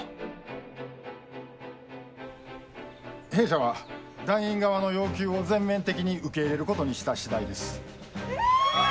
「弊社は団員側の要求を全面的に受け入れることにした次第です」。